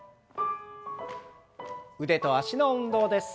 腕と脚の運動です。